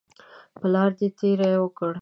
پلار دې تیری وکړي.